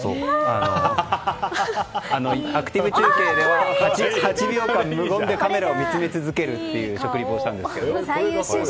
アクティブ中継では８秒間無言でカメラを見つめ続けるという食リポをしたんですが。